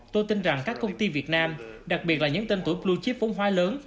tôi tin rằng các công ty việt nam đặc biệt là những tên tuổi blue chip vốn hoa lớn